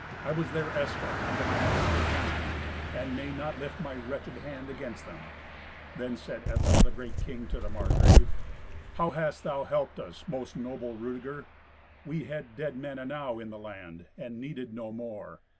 I was their escort into my master's land, and may not lift my wretched hand against them." Then said Etzel, the great king, to the Margrave, "How hast thou helped us, most noble Rudeger? We had dead men enow in the land, and needed no more.